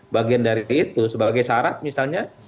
bagian dari itu sebagai syarat misalnya